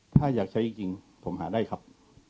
ถ้าอยากใช้จริงผมหาได้ครับ